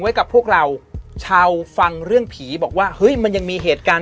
กับพวกเราชาวฟังเรื่องผีบอกว่าเฮ้ยมันยังมีเหตุการณ์